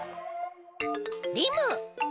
リム。